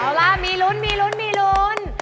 เอาล่ะมีรุ้น